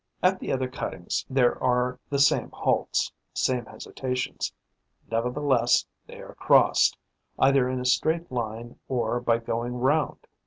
At the other cuttings, there are the same halts, the same hesitations; nevertheless, they are crossed, either in a straight line or by going round.